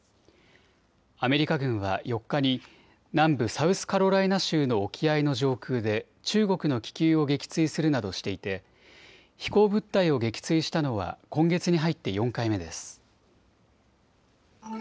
アメリカ軍は４日に南部サウスカロライナ州の沖合の上空で中国の気球を撃墜するなどしていて飛行物体を撃墜したのは今月に入って４回目です。